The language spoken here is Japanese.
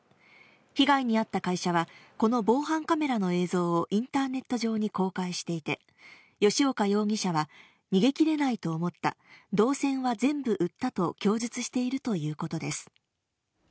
被害に遭った会社は、この防犯カメラの映像をインターネット上に公開していて、吉岡容疑者は、逃げきれないと思った、銅線は全部売ったと供述しているということです。